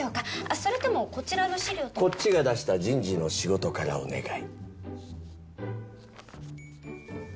それともこちらの資料とこっちが出した人事の仕事からお願いいい？